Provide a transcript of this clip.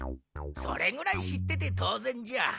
それぐらい知ってて当ぜんじゃ。